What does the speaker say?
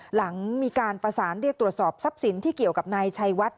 หลังมีการประสานเรียกตรวจสอบทรัพย์สินที่เกี่ยวกับนายชัยวัด